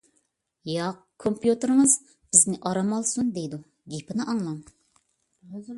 ياق، كومپيۇتېرىڭىز بىزنى ئارام ئالسۇن دەيدۇ، گېپىنى ئاڭلاڭ.